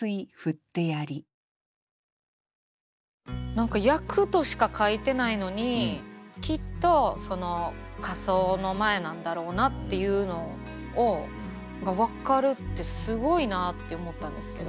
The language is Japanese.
何か「焼く」としか書いてないのにきっと火葬の前なんだろうなっていうのが分かるってすごいなって思ったんですけど。